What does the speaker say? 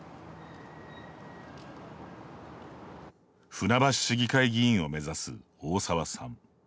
船橋市議会議員を目指す大澤さん。